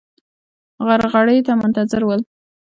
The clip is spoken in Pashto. غرغړې ته منتظر ول.